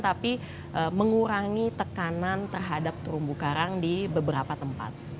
tapi mengurangi tekanan terhadap terumbu karang di beberapa tempat